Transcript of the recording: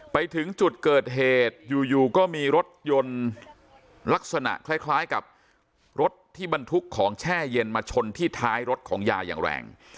ไปถึงจุดเกิดเหตุอยู่ก็มีรถยนต์ลักษณะคล้ายกับรถที่บรรทุกของแช่เย็นมาชนที่ท้ายรถของยาอย่างแรง